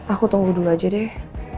aku tunggu dulu aja deh